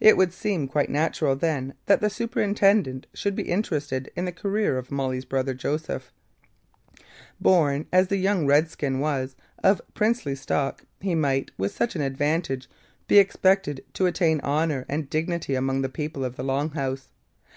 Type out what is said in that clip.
It would seem quite natural, then, that the superintendent should be interested in the career of Molly's brother Joseph. Born, as the young redskin was, of princely stock, he might, with such an advantage, be expected to attain to honour and dignity among the people of the Long House.